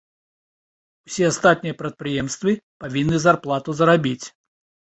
Усе астатнія прадпрыемствы павінны зарплату зарабіць.